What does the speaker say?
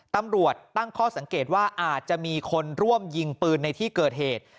ตำรวจตั้งข้อสังเกตว่าอาจจะมีคนร่วมยิงปืนในที่เกิดเหตุ